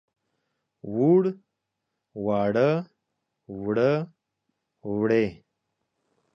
ووړ، واړه، وړه، وړې.